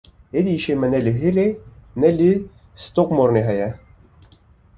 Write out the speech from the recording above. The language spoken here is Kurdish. Êdî îşê me ne li hire lê li Stokmoranê ye.